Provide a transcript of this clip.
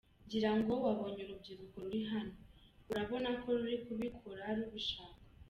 Ngira ngo wabonye urubyiruko ruri hano , urabona ko ruri kubikora rubishaka.